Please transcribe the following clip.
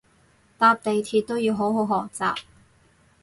搭地鐵都要好好學習